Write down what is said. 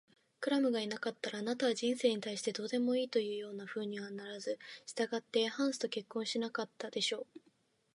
クラムがいなかったら、あなたは人生に対してどうでもいいというようなふうにはならず、したがってハンスと結婚なんかしなかったでしょう。